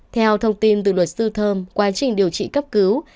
theo thông tin từ luật sư thơm quá trình điều trị cấp cứu